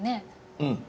うん。